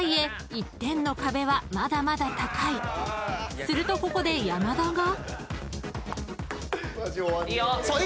１点の壁はまだまだ高い］［するとここで山田が］いいよ。